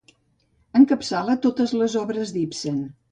Encapçala totes les obres d'Ibsen.